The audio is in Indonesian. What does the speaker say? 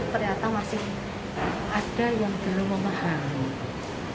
ternyata masih ada yang belum memahami